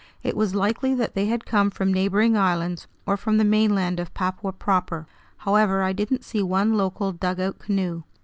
It was likely that they had come from neighboring islands or from the mainland of Papua proper. However, I didn't see one local dugout canoe.